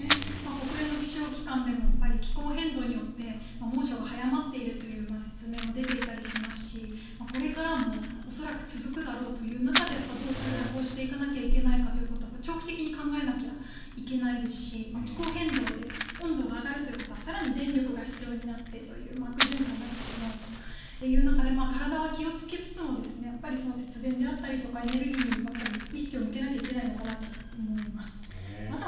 国連の気象機関でも気候変動によって猛暑が早まっている説明も出ていたりしますしこれからも恐らく続くだろうという中でどう対策をしていかなきゃいけないかということを長期的に考えなきゃいけないですし気候変動で温度が上がるということは更に電力が必要になってという悪循環になってしまうという中で体は気をつけつつも節電であったりエネルギーに意識を向けなきゃいけないのかと思います。